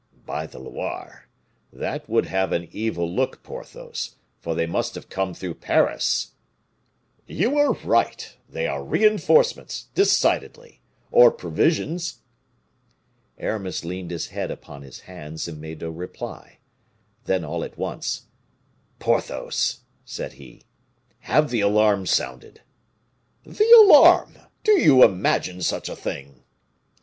"By the Loire? That would have an evil look, Porthos; for they must have come through Paris!" "You are right; they are reinforcements, decidedly, or provisions." Aramis leaned his head upon his hands, and made no reply. Then, all at once, "Porthos," said he, "have the alarm sounded." "The alarm! do you imagine such a thing?"